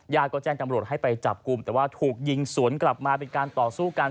ก็แจ้งตำรวจให้ไปจับกลุ่มแต่ว่าถูกยิงสวนกลับมาเป็นการต่อสู้กัน